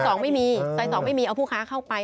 ซอย๒ไม่มีซอย๒ไม่มีเอาผู้ค้าเข้าไป